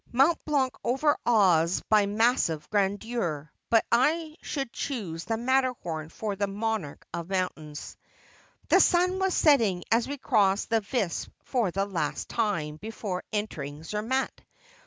Mont Blanc overawes by massive grandeur, but I should choose the Matterhorn for the monarch of mountains. ' The sun was setting as we crossed the Visp for the last time before entering Zermatt.